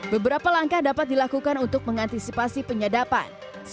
beberapa langkah dapat dilakukan untuk mengantisipasi penyadapan